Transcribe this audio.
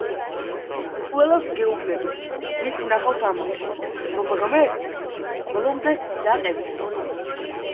ყველას გეუბნებით ვინც ნახავთ ამას, რომ ღმერთს ბოლომდე გაჰყევით.